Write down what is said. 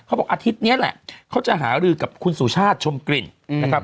อาทิตย์นี้แหละเขาจะหารือกับคุณสุชาติชมกลิ่นนะครับ